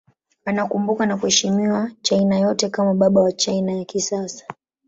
Anakumbukwa na kuheshimiwa China yote kama baba wa China ya kisasa.